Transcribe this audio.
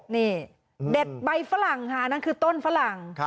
นี่เด็ดใบฝรั่งค่ะนั่นคือต้นฝรั่ง